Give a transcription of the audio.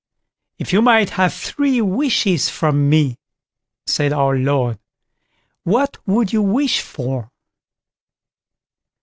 "If you might have three wishes from me", said our Lord, "what would you wish for?"